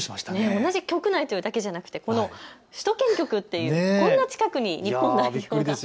同じ局内というだけじゃなくて首都圏局というこんな近くに日本代表が。